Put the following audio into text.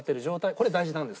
これ大事なんです。